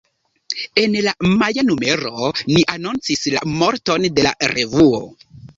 En la maja numero ni anoncis la morton de la revuo.